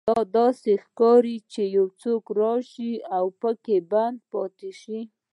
دا داسې ښکاري چې یو څوک راشي او پکې بند شي